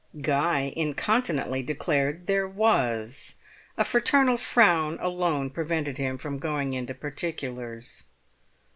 Guy incontinently declared there was. A fraternal frown alone prevented him from going into particulars.